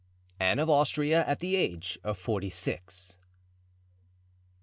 Anne of Austria at the Age of Forty six.